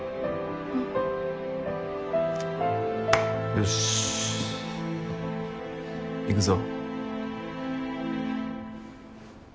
よし行くぞ。